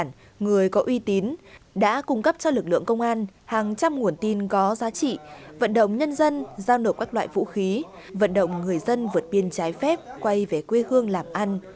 trong đó người có uy tín đã cung cấp cho lực lượng công an hàng trăm nguồn tin có giá trị vận động nhân dân giao nộp các loại vũ khí vận động người dân vượt biên trái phép quay về quê hương làm ăn